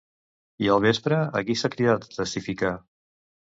I al vespre a qui s'ha cridat a testificar?